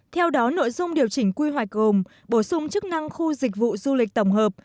theo đó nội dung điều chỉnh quy hoạch gồm bổ sung chức năng khu dịch vụ du lịch tổng hợp